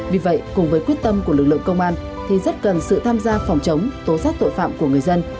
vì vậy cùng với quyết tâm của lực lượng công an thì rất cần sự tham gia phòng chống tố giác tội phạm của người dân